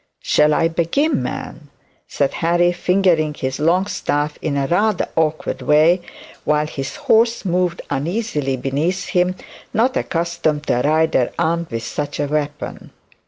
'Shall I begin, ma'am?' said Henry fingering his long staff in a rather awkward way, while his horse moved uneasily beneath him, not accustomed to a rider armed with such a weapon.